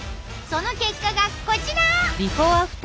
その結果がこちら！